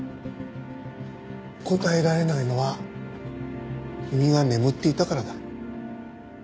答えられないのは君が眠っていたからだ。